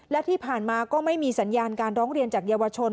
และที่ผ่านมาก็ไม่มีสัญญาณการร้องเรียนจากเยาวชน